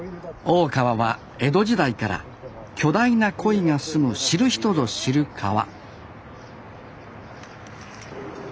大川は江戸時代から巨大なコイが住む知る人ぞ知る川